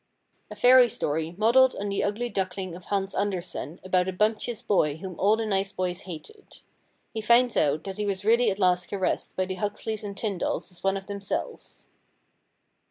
A Fairy Story modelled on the Ugly Duckling of Hans Andersen about a bumptious boy whom all the nice boys hated. He finds out that he was really at last caressed by the Huxleys and Tyndalls as one of themselves.